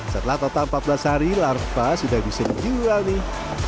setelah total empat belas hari larva sudah bisa dijual nih